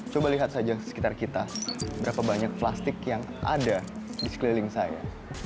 coba lihat saja sekitar kita berapa banyak plastik yang ada di sekeliling saya